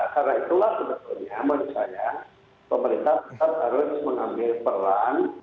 karena itulah sebetulnya menurut saya pemerintah harus mengambil peran